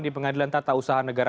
di pengadilan tata usaha negara